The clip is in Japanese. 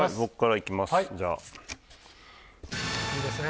いいですね！